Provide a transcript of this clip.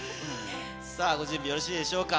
さあ、ご準備よろしいでしょうか。